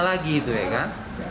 lagi itu ya kan